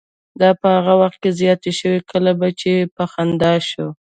دا به هغه وخت زیاتې شوې کله به چې په خندا شو.